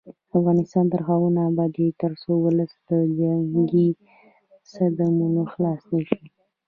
افغانستان تر هغو نه ابادیږي، ترڅو ولس له جنګي صدمو خلاص نشي.